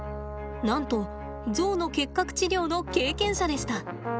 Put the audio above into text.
なんとゾウの結核治療の経験者でした。